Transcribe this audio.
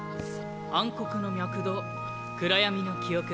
「暗黒の脈動」「暗闇の記憶」